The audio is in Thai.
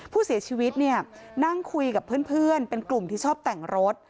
ผู้เสียชีวิตเนี่ยนั่งคุยกับเพื่อนเป็นกลุ่มที่ชอบแต่งรถ